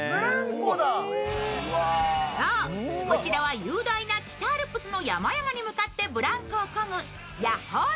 そう、こちらは雄大な北アルプスの山々に向かってブランコをこぐヤッホー！